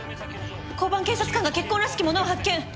交番警察官が血痕らしきものを発見！